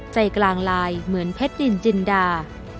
ใจกลางลายเหมือนเพชรดินจินดา